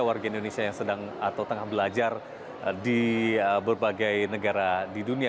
warga indonesia yang sedang atau tengah belajar di berbagai negara di dunia